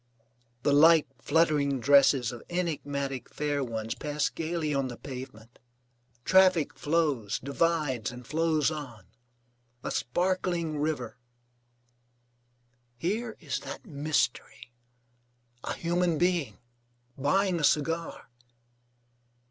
The light, fluttering dresses of enigmatic fair ones pass gayly on the pavement. Traffic flows, divides, and flows on, a sparkling river. Here is that mystery, a human being, buying a cigar.